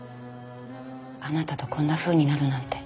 あなたとこんなふうになるなんて。